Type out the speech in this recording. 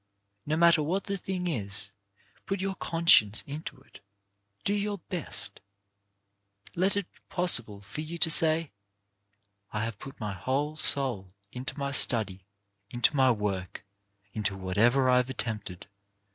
No matter what the thing is, put your conscience into it ; do your best. Let it be possible for you to say: " I have put my whole soul into my study, into my work, into whatever I have attempted.